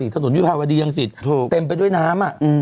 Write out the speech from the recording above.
ปี๕สิถนนวิพาวดียังสิเต็มไปด้วยน้ำ